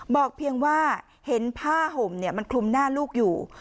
เพียงว่าเห็นผ้าห่มมันคลุมหน้าลูกอยู่